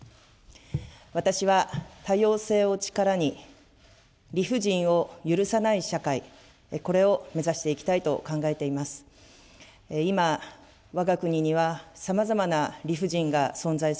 私は、多様性を力に、理不尽を許さない社会、これを目指していきたいと考えています。